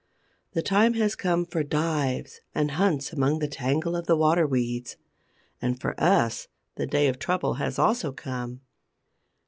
The time has come for dives and hunts among the tangle of the water weeds; and for us the day of trouble has also come.